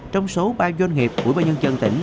trong số ba doanh nghiệp ủy ba nhân chân tỉnh